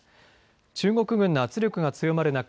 中国軍の圧力が強まる中